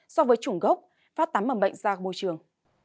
so với chủng gốc phát tán mầm bệnh ra môi trường